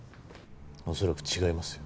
恐らく違いますよ。